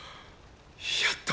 やった。